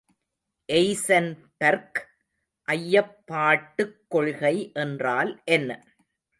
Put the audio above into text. Eisenberg ஐயப்பாட்டுக் கொள்கை என்றால் என்ன?